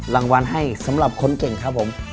รางวัลให้สำหรับคนเก่งครับผม